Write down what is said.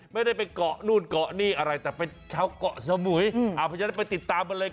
ไม่ได้เป็นเกาะนู่งเกาะนี่อะไรแต่เป็นชาวกเสมอย